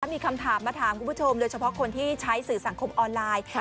มีคำถามมาถามคุณผู้ชมโดยเฉพาะคนที่ใช้สื่อสังคมออนไลน์